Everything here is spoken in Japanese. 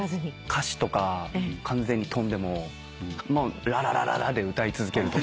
歌詞とか完全に飛んでも「ラララララ」で歌い続けるとか。